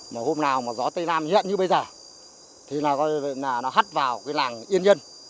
mà hôm nào mà gió tây nam nhẹ như bây giờ thì nó hắt vào cái làng yên nhân